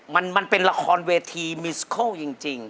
มันเป็นละครเวทีมิสเคิลจริง